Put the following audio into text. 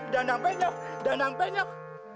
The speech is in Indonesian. dandang penyok dandang penyok